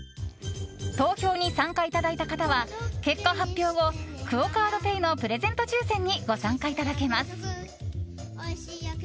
投票に参加いただいた方は結果発表後クオ・カードペイのプレゼント抽選にご参加いただけます。